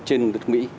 trên nước mỹ